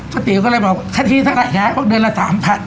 พ่อตี๋ก็เลยบอกคราฬิหนึ่งเท่าไร